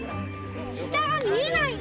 下が見えないんだ！